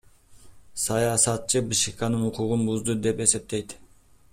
Саясатчы БШК анын укугун бузду деп эсептейт.